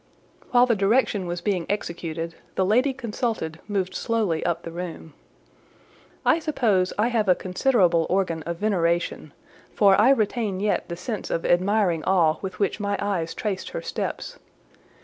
While the direction was being executed, the lady consulted moved slowly up the room. I suppose I have a considerable organ of veneration, for I retain yet the sense of admiring awe with which my eyes traced her steps.